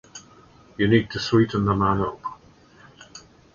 You need to sweeten the man up.